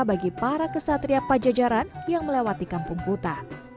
bagi para kesatria pajajaran yang melewati kampung kuta